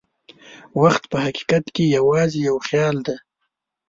وخت په حقیقت کې یوازې یو خیال دی.